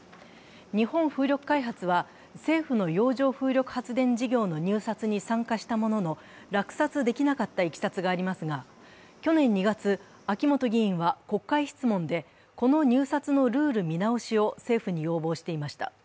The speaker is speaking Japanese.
日本風力開発は政府の洋上風力発電事業の入札に参加したものの、落札できなかったいきさつがありますが、去年２月、秋元議員は国会質問でこの入札のルール見直しを政府に要望していてました。